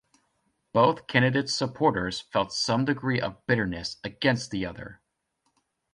Both candidates' supporters felt some degree of bitterness against the other.